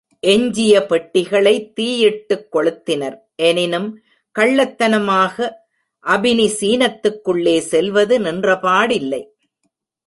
எஞ்சிய பெட்டிகளை தீயிட்டுக் கொளுத்தினர், எனினும் கள்ளத்தனமாக அபினி சீனத்துக்குள்ளே செல்வது நின்றபாடில்லை.